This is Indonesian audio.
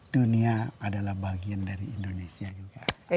dunia adalah bagian dari indonesia juga